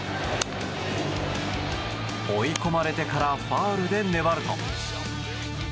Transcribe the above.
追い込まれてからファウルで粘ると。